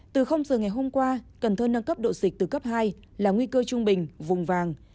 từ giờ ngày hôm qua cần thơ nâng cấp độ dịch từ cấp hai là nguy cơ trung bình vùng vàng